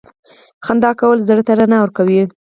• خندا کول زړه ته رڼا ورکوي.